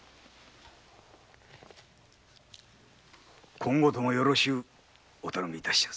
今後ともよろしくお頼み致しやす。